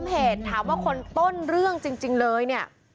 เหตุถามว่าคนต้นเรื่องจริงเลยเนี่ย